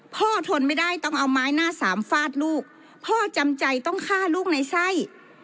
ทนไม่ได้ต้องเอาไม้หน้าสามฟาดลูกพ่อจำใจต้องฆ่าลูกในไส้